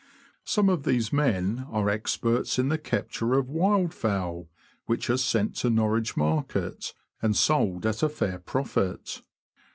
Some of these men are experts in the capture of wildfowl, which are sent to Norwich market, and sold at a fair profit.